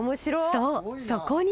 そうそこには。